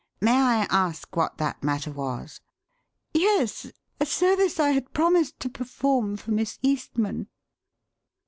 "May I ask what that matter was?" "Yes. A service I had promised to perform for Miss Eastman."